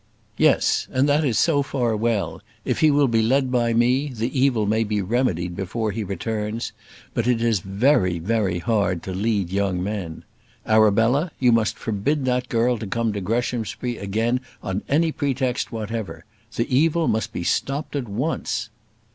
"Yes; and that is so far well: if he will be led by me, the evil may be remedied before he returns; but it is very, very hard to lead young men. Arabella, you must forbid that girl to come to Greshamsbury again on any pretext whatever. The evil must be stopped at once."